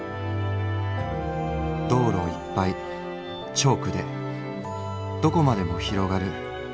道路いっぱいチョークでどこまでも拡がる。